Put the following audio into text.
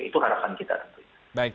itu harapan kita tentunya